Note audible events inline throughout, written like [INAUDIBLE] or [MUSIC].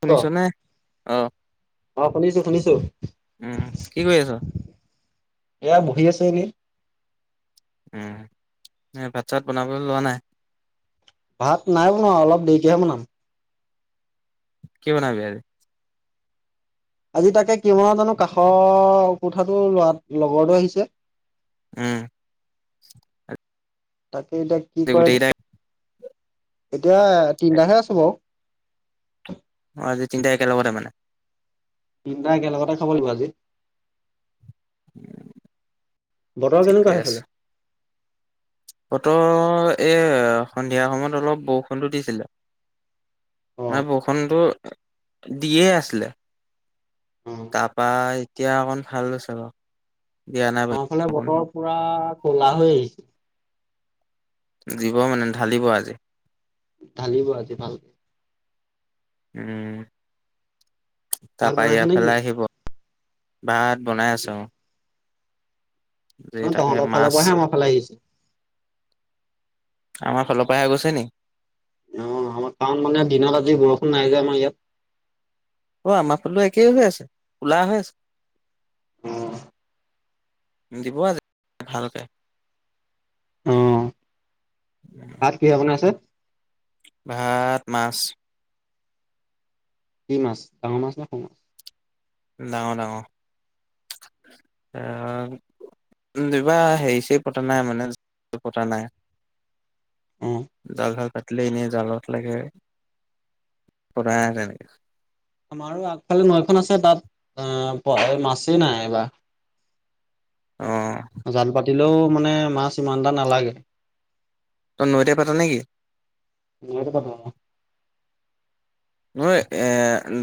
শুনিছ নে? অ'। অ' শুনিছো, শুনিছো। উম কি কৰি আছ? এয়া বহি আছে এনে- উ'ম ভাত চাত বনাবলৈ লোৱা নাই। ভাত নাই বনোৱা অলপ দেৰিকেহে বনাম। কি বনাবি আজি? আজি তাকে কিমানত জানো কাষৰ কোঠাটো লৰাটো, লগৰটো আহিছে। উ'ম। [UNINTELLIGIBLE] এতিয়া কি আজি কৰে গোটেইকেইটাই এতিয়া তিনিটাহে আছো বাৰু। আজি তিনিটাই একেলগতে মানে তিনিটা একেলগতে খাব লাগিব আজি। বতৰ ঠিকে কেনেকুৱা আছে। সেইফালে। বতৰ এ! সন্ধিয়া সময়ত অলপ বৰষুণটো দিছিলে। অ বৰষুণটো দিয়ে আছিলে অ তাৰাপা এতিয়া অকন ভাল হৈছে বাৰু। দিয়া নাই বাৰু এফালে বৰষুণ। বতৰ পুৰা পাহৰি। দিব মানে ঢালিব আজি। ঢালিব আজি ভালকে উ'ম। ভাত তাৰাপা বনাইছে নেকি এয়াফালেই আহিব। ভাত বনাই আছো। যে অ' তাকে তহঁতৰ ফালৰ মাছ পৰাহে আমাৰ ফালে আহিছে। আমাৰ ফালৰ পৰাই হৈ গৈছে নি। অ' আমাৰ কাৰণ মানে দিনত আজি বৰষুণ নাই। যে আমাৰ ইয়াত। অ' আমাৰ ফালে একেই হৈ আছে কোলা হৈ আছে। অ'। দিব আজি ভালকে। উ'ম। ভাত কিহে বনাইছে? ভাত মাছ কি মাছ ডাঙৰ মাছ নে সৰু মাছ? ডাঙৰ ডাঙৰ এ! কিবা হেৰিছেই পতা নাই মানে পতা নাই। অ ভাল, ভাল। এনে জালত লাগে। সদায় সদায় লাগে। আমাৰো আগফালে নৈখন আছে। তাত অ' প মাছেই নাই এইবাৰ। অ জাল পাত- আৰু মানে মাছ ইমানটা নালাগে। নৈতে পাতা নেকি? নৈৰ কথা নৈ এ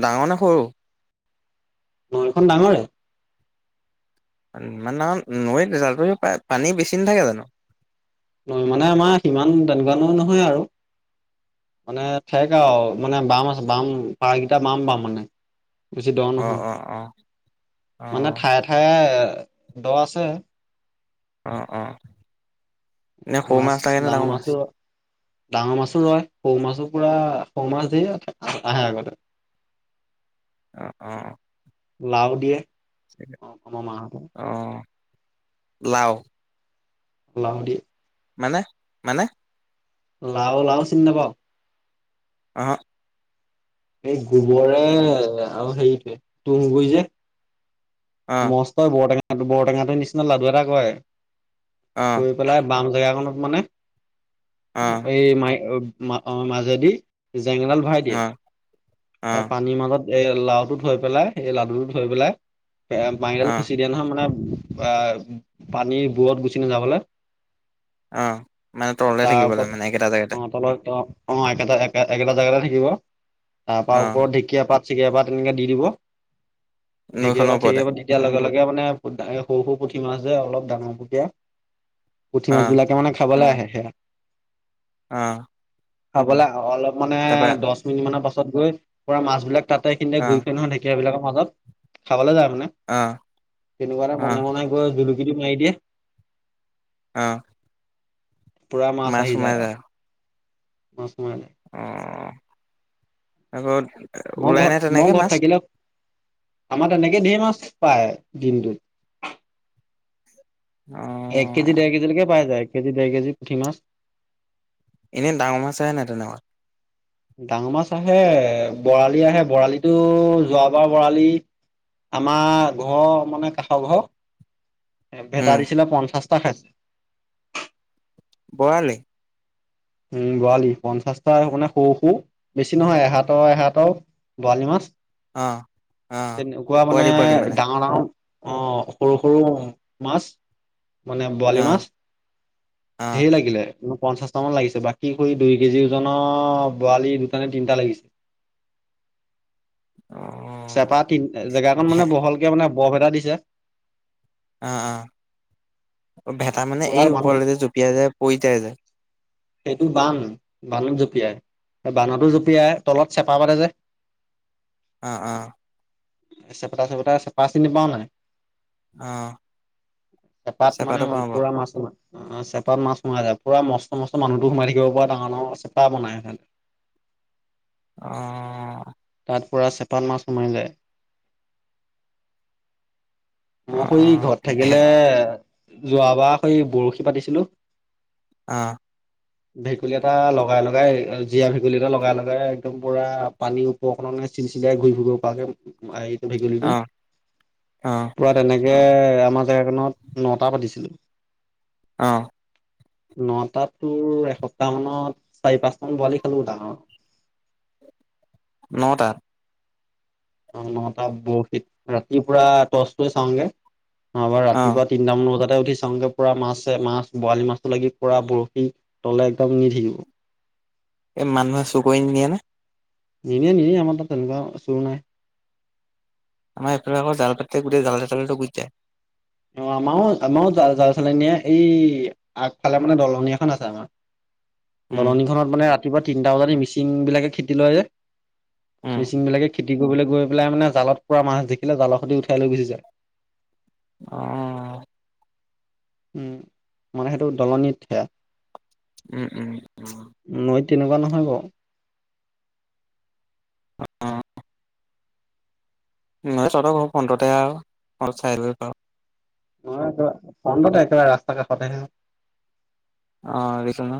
ডাঙৰ না সৰু নৈখন ডাঙৰে। ইমান ডাঙৰ নৈত জাল পাতিব পাৰে। পানী বেছি নাথাকে জানো? নৈ মানে আমাৰ সিমান তেনেকুৱা নৈ নহয় আৰু। মানে ঠেক আৰু মানে বাম আছে বাম পাৰকেইটা বাম বাম মানে। বেছি দ অ নহয়। অ অ অ মানে ঠায়ে ঠায়ে দ' আছে অ, অ'। ইনে সৰু মাছ লগে নে ডাঙৰ মাছ? ডাঙৰ মাছো লয়। সৰু মাছো পুৰা সৰু মাছ ধেৰ আহে আগতে। অ, অ'। লাও দিয়ে আমাৰ মা হতে। লও লাও দিয়ে। মানে, মানে? লাও, লাও চিনি নাপাঅ? অহ। এই গোবৰে আৰু হেৰিটোৱে তুঁহগুৰি যে অ অ মস্ত বৰ টেঙা বৰটেঙাটোৰ নিচিনা লাডু এটা কৰে অ কৰী পেলাই বাম জেগাকনত মানে এই মাই অ, মাজেদি জেঙ এডাল ভৰাই দিয়ে। অ অ তাৰ পানীৰ মাজত এই লাও টো থৈ পেলাই এই লাডু টো থৈ পেলাই এ মাৰিডাল অ খুচি দিয়ে নহয় মানে ই'পানীৰ বোৰত গুচি নাযাবলৈ আহ মানে তললে তাৰ থাকিব ওপৰত লাগে মানে একেটা অ জেগাতে। তলত অ একেটা একে একেটা জেগাতে থাকিব। তাৰ অ পৰা ওপৰত ঢেকীয়া পাত। ঢেকীয়াপাত এনেকে দি দিব। নৈখনৰ ঢেকীয়াপাত তে ওপৰতে আকৌ তেতিয়া লগে লগে এইয়া মানে সৰু সৰু পুঠি মাছ যে অলপ ডাঙৰ পুতিয়া পুঠি অ মাছ বিলাকে মানে খাবলৈ আহে। [UNINTELLIGIBLE] অ'। খাবলে অলপ মানে তাৰপা দশ মিনিমানৰ পাছত তাত গৈ পৰা মাছবিলাক তাতে সিহঁতে অ ঘুৰি ফুৰে নহ ঢেকীয়া বিলাকত মাজত খাবলৈ যাম। মানে অ তেনেকুৱা এটা অ বনাই বনাই গৈ আছিলো। ইতোক মাৰি দিয়ে। আহ! পুৰা মাছ আহি যায় আৰু [UNINTELLIGIBLE] মানে? আগত মই ঘৰত মই ঘৰত থাকিলেও [INAUDIBLE] আমাৰ তেনেকে ধেই মাছ পায় দিনটোত [INAUDIBLE] অ এক কেজি দেৰ কেজি লৈকে পাই যায় এক কেজি দেৰ কেজি পুঠি মাছ এনেই ডাঙৰ মাছে আহে নাই তেনেকুৱা? ডাঙৰ মাছ আহে বৰালি আহে বৰালিতটো যোৱাবাৰ বৰালি আমাৰ ঘৰ মানে কাষৰ ঘৰ এ উম ভেটা দিছে। চাস্তা খাইছে [INAUDIBLE] বৰালি উম বৰালি পঞ্চাশটা আপোনাৰ সৰু সৰু বেছি নহয় এহাট এহাট বৰালি মাছ অ অ [INAUDIBLE] তেনেকুৱা মানে পোৱালি পোৱালি মানে ডাঙৰ ডাঙৰ অ সৰু সৰু মাছ। মানে অ বৰালি মাছ অ [INAUDIBLE] ধেৰ লাগিলে ম পঞ্চাশ মান লিছে বাকী খ দুই কেজি ওজনৰ বৰাালি দুটা নে তিনিটা লাগিছে। অ চেপা তিনি জেগাক ভে মানে বহলকে মানে বৰফেটা দিছে আহ অ! ভেটাা মানে পুৰা এই মানুহ ওপৰলৈ যে জঁপিয়াই যায় পৰিতাই যায়। সেইটো বান বানত জঁপিয়াই বানতো জঁপিয়াই তলত চেপা পাতে যে অ' অ' চেপটা চেপটা চেপা চিনি পাও নাই অ এপাত মানে চেপাটো পাওঁ বাৰু পুৰা মাছ। পেটত মাছ মঙায় পৰা মষ্ট মষ্ট মানুহতো সোমাই থাকিব পৰা ডাঙৰ ডাঙৰ চেপা বনাই স অ! তাত পৰা চেপাল মাছ মাৰ যায়। অ অ [UNINTELLIGIBLE] ঘৰত ভে থাকিলে। যোৱাবাৰ সেই বৰশী পাতিছিলোঁ। অ'! ভেকুলী এটা লগাই, লগাই। জীয়া ভেকুলী এটা লগাই, লগাই একদম পুৰা পানী ওপৰ খনত চিল চিলাই ঘূৰি ফূৰিব পৰাকে ভেকুলীটো অ'! অ'! পুৰা তেনেকে আমাৰ জেগাকনত নটা পাতিছিলোঁ। অ'! নটাত তোৰ, এসপ্তাহ মানত, চাৰি পাঁচ মান বোৱালি খালোঁ ডাঙৰ। ন টাত। অ'! নটা বৰশীত ৰাতি পুৰা টৰ্চ লৈ চাওঁগে। আমাৰ অ', ৰাতিপুৱা তিনটা মান বজাত উঠি চাওঁগে পুৰা মাছে, মাছ। বৰালি মাছটো লাগি পৰা বৰশী তলে একদম নি থাকিব। এই মানুহে চুৰ কৰি নিয়ে নে? নিনিয়ে, নিনিয়ে আমাৰ তাত তেনেকুৱা চুৰ নাই। আমাৰ এইফালে আকৌ জাল পাতোতে, গোটেই জালে চালে গুচি যায়। অ'! আমাৰো, আমাৰো জালে চালে নিয়ে। এই, আগফালে মানে, দলনি এখন আছে আমাৰ। উম, দলনিখনত মানে ৰাতিপুৱা তিনটা বজাত মিচিং বিলাকে খেতি লয় যে উম, মিচিং বিলাকে। খেতি কৰিবলৈ গৈ পেলাই মানে, জালত পৰা মাছ দেখিলে জালৰ সৈতে উঠাই লৈ গুচি যায়। অঁ! উম! মানে, সেইটো দলনিত সেয়া উম! উম! নৈত তেনেকুৱা নহয় বাৰু। অ'! চলক [UNINTELLIGIBLE] [UNINTELLIGIBLE] ফ্ৰণ্টতে একেবাৰে ৰাস্তা কাষতে। অ'! দিছে ন'।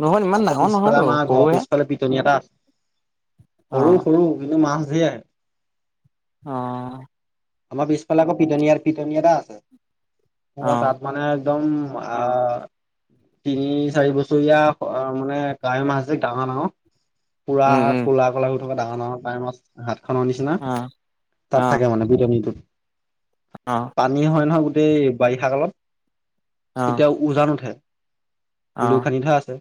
নহয় ইমান আকৌ, ডাঙৰ পিছফালে নহয়তো আমাৰ ঘৰৰ সৰুহে পিছফালে পিটনি এটা সৰু, অ', সৰু কিন্তু মাছ দিয়াই। অঁ! আমাৰ পিছফালে আকৌ পিতনিয়াৰ পিতনি এটা আছে। পৰা অ', তাত মানে একদম আ' তিনি, চাৰি বছৰীয়া মানে, কাৱৈ মাছ যে ডাঙৰ, ডাঙৰ পুৰা উম, উম, ক'লা ক'লা হৈ থকা। ডাঙৰ, ডাঙৰ কাৱৈ মাছ সাতটা [UNINTELLIGIBLE] নিচিনা অ', তাত অ', থাকে মানে। [UNINTELLIGIBLE] অ', পানী হয় নহয়। গো গোটেই বাৰিষা কালত। অ', অ', তেতিয়া উজান উঠে। লো খান্দি থোৱা আছে।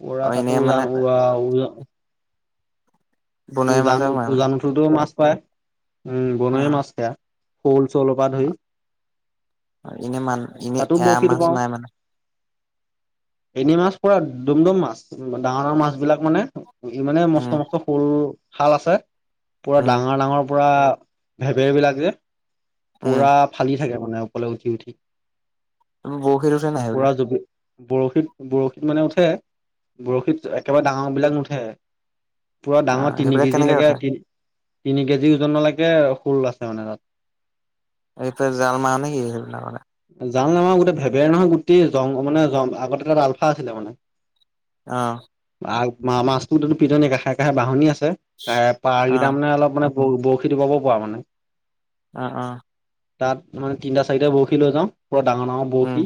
পৰা অ', এনে তাতো মানে উজান উৰা উ বনৰীয়া উজান মাছহে সোমাই মানে উজান উঠোতেও মাছ [INAUDIBLE] উম বনৰীয়া অ', মাছ সেয়া শ'ল চলৰ পৰা ধৰি এনে মান এনে তাতো এৰা বৰশীটো মাছ বাওঁ নাই মানে এনে মাছ পুৰা ডমদম মাছ ডাঙৰ ডাঙৰ মাছ বিলাক মানে ইমানে মস্ত উম, মস্ত শ'ল শাল আছে পুৰা উম, ডাঙৰ ডাঙৰ [UNINTELLIGIBLE] [UNINTELLIGIBLE] বিলাক যে উম, পুৰা ফালি থাকে মানে মানে ওপৰলে উঠি উঠি তুমি বৰশীত উঠে নাই পুৰা এইবিলাক? জুপি বৰশীত বৰশীত মানে উঠে বৰশীত একেবাৰে ডাঙৰ বিলাক নুঠে পুৰা ডাঙৰ অ', তিনি সেইবিলাক কেজি কেনেকে উঠে? লৈকে তি তিনি কেজি [UNINTELLIGIBLE] শল আছে মানে তাত [UNINTELLIGIBLE] জাল নে মাৰ গোটেই ভেবেৰ নহয় গোটেই জং মানে জ আগতে তাত আলফা আছিলে তাৰমানে আহ আ মাজতো পিতনী কাষে কষে বাহঁনি আছে। এ পাৰ অ কেইটাৰ মানে অলপ মানে ব বৰশীটো বাব পৰা মানে অ অ তাত মানে তিনিটা চাৰিটা বৰসী লৈ যাওঁ। পৰা ডাঙৰ ডাঙৰ উম বৰশী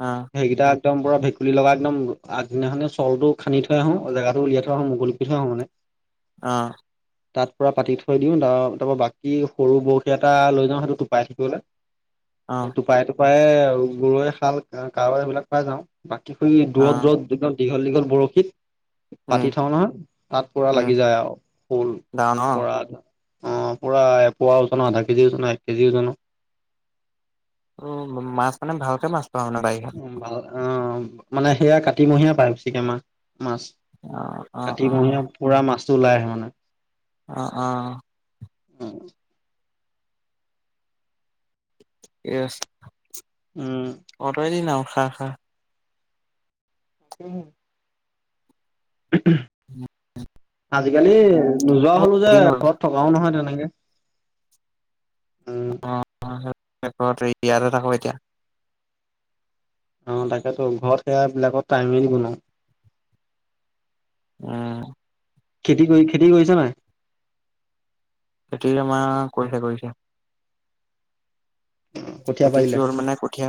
অ একদম পুৰা ভেকুলী লগা একদম আগদিনাখনে চলটো খানদি থৈ আহো জেগাতটো উলিয়াই থৈ আহো মুকলি কৰি থৈ আহো মানে। আহ তাত পৰা পাতি থৈ দিওঁ ত তাৰ পৰা বাকী সৰু বৰশী এটা লৈ যাওঁ সেইটো টোপাই অ থাকিবলৈ টুপাই টো প্ৰায় গৰৈ, শাল, কাৱৈ এইবিলাক পাই যাওঁ। বাকী [UNINTELLIGIBLE] অ দূৰত দূৰত দীঘল দীঘল বৰশীত উম পাতি থওঁ নহয়, তাত পুৰা উম লাগি যায় আৰু শল ডাঙৰ ন অ', [UNINTELLIGIBLE] অ পুৰা এপুৱা ওজন ৰ, আধা কেজি ওজনৰ, এক কেজি ওজনৰ। উ মাছ মানে ভালকে মাছ পাওঁ মানে বাৰিষাত অ মানে সেয়া কাতিমহীয়া পায় ছাগে মা মাছ অ অ অ কাতিমহীয়া পুৰা মাছ ওলাই আহে মানে। অ'- অ'। উম। এয়েছ। অতৰ দিনাও খা, খা। উম। [INAUDIBLE] আজিকালি নোযোৱা মোৰ হ'লো বহুত যে দিন হ'ল ঘৰত থকাও নহয় তেনেক [INAUDIBLE] অহ, আ [UNINTELLIGIBLE] ইয়াতে থাক' এতিয়া। অ', তাকেটো ঘৰত সেয়া বিলাকত টাইমেই দিব ন'। উম। খেতি কৰি, খেতি কৰিছা নাই। সেইটোৱে তোমাৰ কৰিছে, কৰিছে। কঠীয়া পাৰিলে খেতিটোৰ মানে কঠীয়া,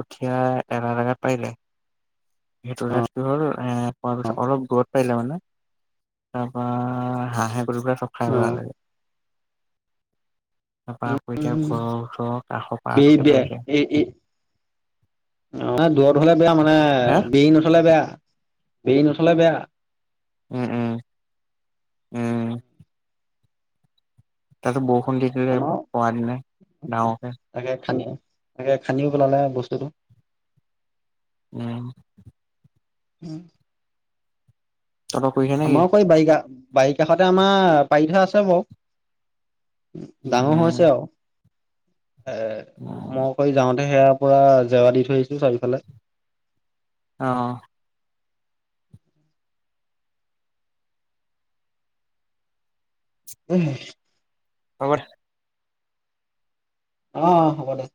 কঠীয়া তেৰাত পাৰিলে সেইটো অ' হাত কি হ'ল এ হোৱা পিছত অ' অলপ দূৰত পাৰিলে মানে, তাৰপা হাঁহে সৰু পা চব খাই উম। পেলালে। তাৰপা আকৌ এতিয়া ঘৰ চৰ এই বে এই এই, দূৰত হ'লে বেয়া মানুহ হে বেৰি নথলে বেয়া, বেৰি নথলে। কলে বেয়া উম, উম, উম। তাতে ব খুন্দি দিলে আমাৰ পৰা দিনাই ডাঙৰকে এনেকে খান্দিও পেলালে বস্তুটো উম। উম। তহঁতৰ কৰিছে নেকি আমাৰ সেই বাইগা বাৰি কাষতে আমাৰ পাৰি থোৱা আছে বাৰু উ, উম ডাঙৰ হৈছে উম আৰু এ ম উম কৈ যাওঁ হেয়াৰ পৰা জেৱৰা দি থৈ আহিছো চাৰিওফালে। অ', [INAUDIBLE] হ'ব দে। অ হ'ব দে।